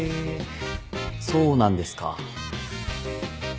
そうなんですか。